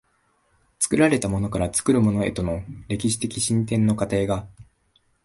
作られたものから作るものへとの歴史的進展の過程が、